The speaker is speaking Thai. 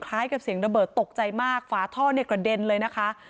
กับเสียงระเบิดตกใจมากฝาท่อเนี่ยกระเด็นเลยนะคะ